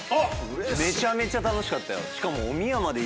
めちゃめちゃ楽しかったよしかも。